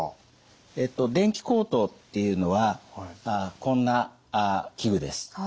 電気喉頭っていうのはこんな器具です。